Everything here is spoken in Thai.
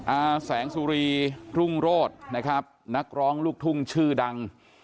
อาแสงสุรีรุ่งโรธนะครับนักร้องลูกทุ่งชื่อดัง